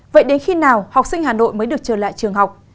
vậy đến khi nào học sinh hà nội mới được trở lại trường học